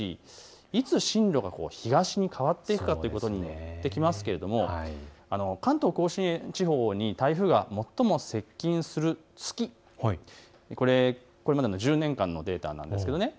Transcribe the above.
いつ進路が東に変わっていくかということにもよりますが、関東甲信地方に台風が最も接近する月、これまでの１０年間のデータです。